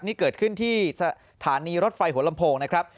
นี่เกิดขึ้นที่สถานีรถไฟหัวลำโพงนะครับ